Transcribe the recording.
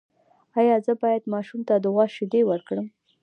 ایا زه باید ماشوم ته د غوا شیدې ورکړم؟